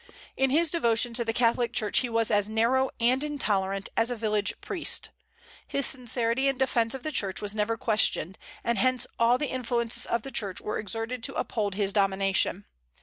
In his devotion to the Catholic Church he was as narrow and intolerant as a village priest. His sincerity in defence of the Church was never questioned, and hence all the influences of the Church were exerted to uphold his domination.